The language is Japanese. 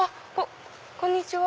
こんにちは。